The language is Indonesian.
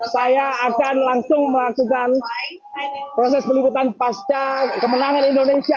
saya akan langsung melakukan proses peliputan pasca kemenangan indonesia